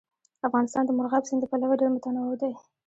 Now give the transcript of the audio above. افغانستان د مورغاب سیند له پلوه ډېر متنوع دی.